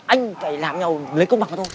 anh phải làm nhau lấy công bằng của tôi